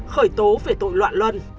khởi tố về tội loạn luân